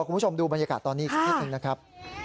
คุณผู้ชมดูบรรยากาศตอนนี้สักนิดหนึ่งนะครับ